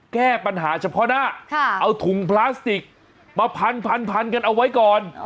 แก้ปัญหาเฉพาะหน้าเอาถุงพลาสติกมาพันกันเอาไว้ก่อน